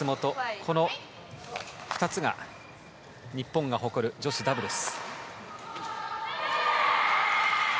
この２つが日本が誇る女子ダブルス。